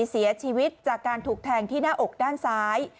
เสียชีวิตจากการถูกแทงที่หน้าอกด้านซ้าย